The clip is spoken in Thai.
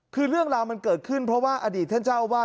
คือเรื่องราวมันเกิดขึ้นเพราะว่าอดีตท่านเจ้าอาวาส